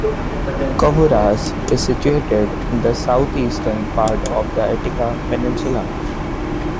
Kouvaras is situated in the southeastern part of the Attica peninsula.